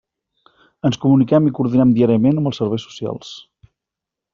Ens comuniquem i coordinem diàriament amb els Serveis Socials.